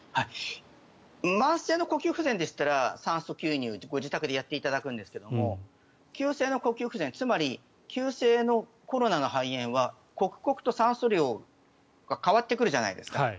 慢性の呼吸不全でしたら酸素吸入をご自宅でやってもらうんですが急性の呼吸不全つまり急性のコロナの肺炎は刻々と酸素量が変わってくるじゃないですか。